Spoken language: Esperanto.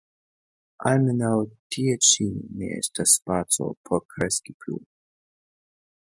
Almenaŭ tie ĉi ne estas spaco por kreski plu.